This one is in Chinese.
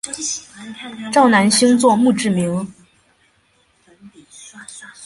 赵南星作墓志铭。